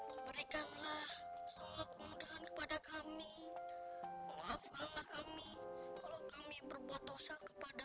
apakah kami benar benar jadi gelandangan